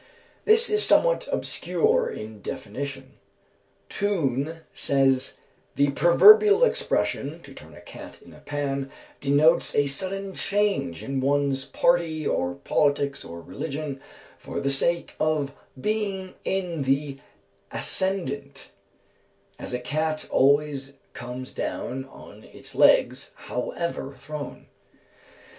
'" This is somewhat obscure in definition. Toone says: "The proverbial expression, 'to turn a cat in a pan,' denotes a sudden change in one's party, or politics, or religion, for the sake of being in the ascendant, as a cat always comes down on its legs, however thrown."